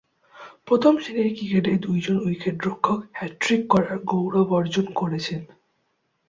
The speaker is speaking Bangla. প্রথম-শ্রেণীর ক্রিকেটে দুইজন উইকেট-রক্ষক হ্যাট্রিক করার গৌরব অর্জন করেছেন।